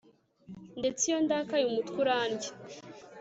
ndetse iyo ndakaye umutwe urandya